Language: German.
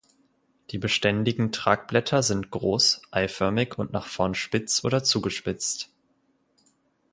Die beständigen Tragblätter sind groß, eiförmig und nach vorn spitz oder zugespitzt.